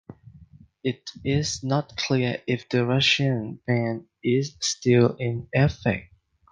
It is not clear if the Russian ban is still in effect.